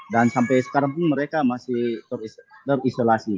dan sampai sekarang pun mereka masih terisolasi